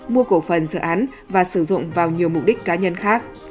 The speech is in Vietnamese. mua cổ phần dự án và sử dụng vào nhiều mục đích cá nhân khác